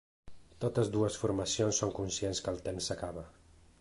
Totes dues formacions són conscients que el temps s’acaba.